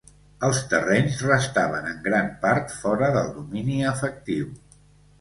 Els terrenys restaven en gran part fora del domini efectiu.